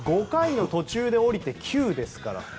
５回の途中で降りて９ですから。